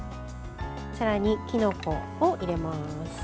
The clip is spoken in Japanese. さらに、きのこを入れます。